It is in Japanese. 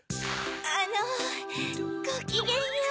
あのごきげんよう。